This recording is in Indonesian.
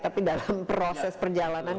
tapi dalam proses perjalanan